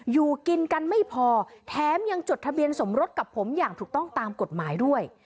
อยู่กินกันไม่พอแถมยังจดทะเบียนสมรสกับผมอย่างถูกต้องตามกฎหมายด้วย